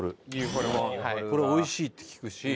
これ美味しいって聞くし。